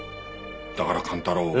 だから寛太郎を。